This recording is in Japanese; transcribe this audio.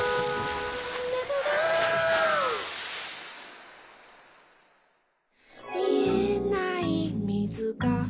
「めぐる」「みえないみずが」